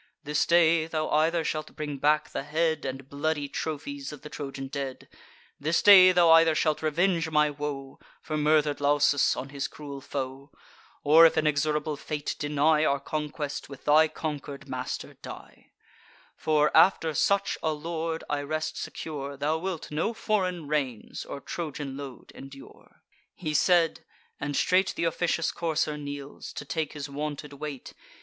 This day thou either shalt bring back the head And bloody trophies of the Trojan dead; This day thou either shalt revenge my woe, For murder'd Lausus, on his cruel foe; Or, if inexorable fate deny Our conquest, with thy conquer'd master die: For, after such a lord, I rest secure, Thou wilt no foreign reins, or Trojan load endure." He said; and straight th' officious courser kneels, To take his wonted weight.